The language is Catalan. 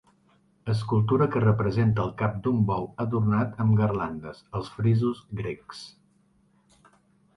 Escultura que representa el cap d'un bou adornat amb garlandes, als frisos grecs.